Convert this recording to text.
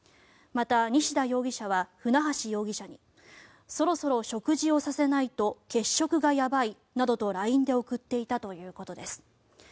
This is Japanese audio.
また西田容疑者は船橋容疑者にそろそろ食事をさせないと血色がやばいなどとＬＩＮＥで送っていたということです。